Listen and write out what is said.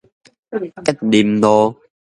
吉林路